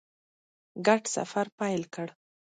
ګډ سفر پیل کړ.